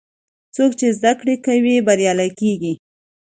څوک چې زده کړه کوي، بریالی کېږي.